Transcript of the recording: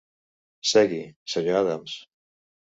Segui, Sr. Adams.